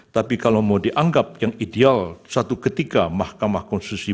tapi kalau mau dianggap yang ideal satu ketika mahkamah konstitusi